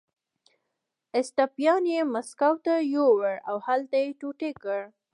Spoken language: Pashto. اسټپان یې مسکو ته یووړ او هلته یې ټوټې کړ.